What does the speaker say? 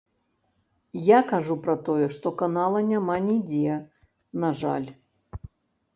Я кажу пра тое, што канала няма нідзе, на жаль.